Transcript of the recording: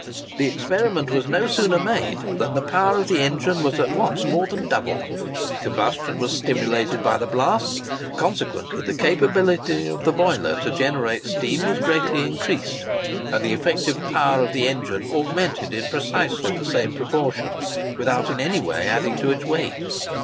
The experiment was no sooner made than the power of the engine was at once more than doubled; combustion was stimulated by the blast; consequently the capability of the boiler to generate steam was greatly increased, and the effective power of the engine augmented in precisely the same proportion, without in any way adding to its weight.